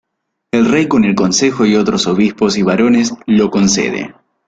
El Rey con el consejo y otros Obispos y barones lo concede.